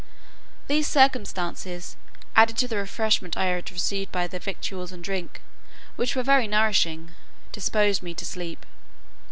These circumstances, added to the refreshment I had received by their victuals and drink, which were very nourishing, disposed me to sleep.